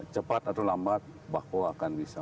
cepat atau lambat bahwa akan bisa